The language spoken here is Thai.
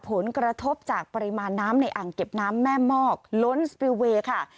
ผลกระทบจากปริมาณน้ำในอ่างเก็บน้ำแม่มอกล้นสปิลเวย์ค่ะ